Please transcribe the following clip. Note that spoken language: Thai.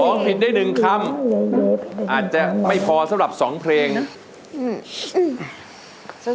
ร้องผิดได้๑คำอาจจะไม่พอสำหรับ๒เพลงนะ